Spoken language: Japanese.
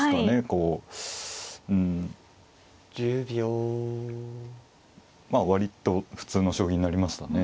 こううんまあ割と普通の将棋になりましたね。